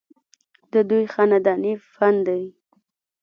ددوي خانداني فن دے